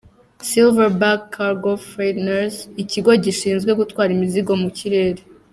–« Silverback Cargo Freighters », ikigo gishinzwe gutwara imizigo mu kirere.